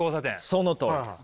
そのとおりです。